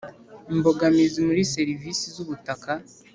Imbogamizi muri serivisi z ubutaka